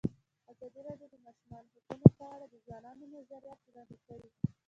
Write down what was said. ازادي راډیو د د ماشومانو حقونه په اړه د ځوانانو نظریات وړاندې کړي.